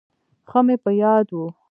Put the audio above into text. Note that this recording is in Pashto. ښه مې په یاد و.